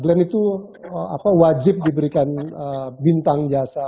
glenn itu wajib diberikan bintang jasa